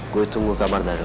gue tunggu kabar dari lo